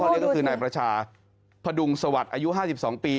นี่ก็คือนายประชาพดุงสวัสดิ์อายุ๕๒ปี